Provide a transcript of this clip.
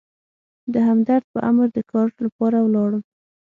د همدرد په امر د کار لپاره ولاړم.